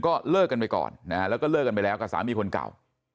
ก็เลิกกันไปก่อนนะฮะแล้วก็เลิกกันไปแล้วกับสามีคนเก่า